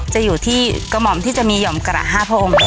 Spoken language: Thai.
จะอยู่ที่กระหม่อมที่จะมีห่อมกระ๕พระองค์